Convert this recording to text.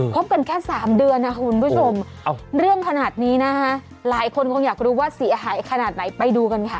บกันแค่๓เดือนนะคุณผู้ชมเรื่องขนาดนี้นะคะหลายคนคงอยากรู้ว่าเสียหายขนาดไหนไปดูกันค่ะ